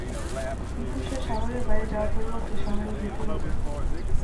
কিন্তু সে শহরের বাইরে যাবার পরিবর্তে শহরের ভিতর যায়।